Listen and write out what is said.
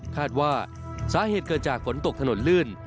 คาดว่าสาเหตุเกิดจากฝนตกถนนลื่น